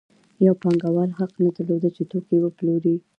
یو پانګوال حق نه درلود چې توکي وپلوري